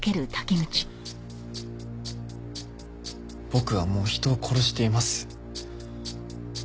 僕はもう人を殺しています。